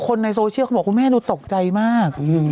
ในโซเชียลเขาบอกคุณแม่ดูตกใจมาก